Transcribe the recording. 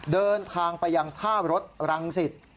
เดินทางไปยังท่ารถรังสิต